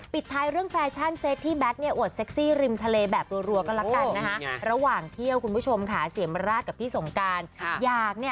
ปิดท้ายเรื่องแฟชั่นเซตที่แบทเนี่ยอวดเซ็กซี่ริมทะเลแบบรัวก็แล้วกันนะคะระหว่างเที่ยวคุณผู้ชมค่ะเสียมราชกับพี่สงการ